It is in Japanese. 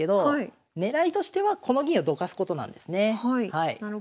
はい。